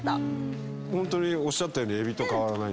ホントにおっしゃったようにエビと変わらない。